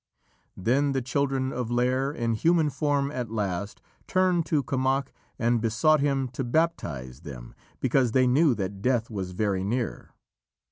Then the children of Lîr, in human form at last, turned to Kemoc and besought him to baptize them, because they knew that death was very near.